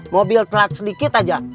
mobil pelat sedikit aja